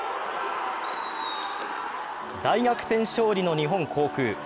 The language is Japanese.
大逆転勝利の日本航空。